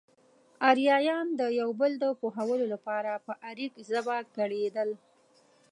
اريايان د يو بل د پوهولو لپاره په اريک ژبه ګړېدل.